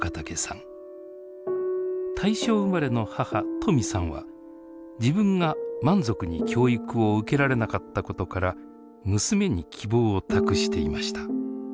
大正生まれの母トミさんは自分が満足に教育を受けられなかったことから娘に希望を託していました。